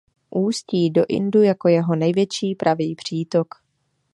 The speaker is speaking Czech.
Ústí do Indu jako jeho největší pravý přítok.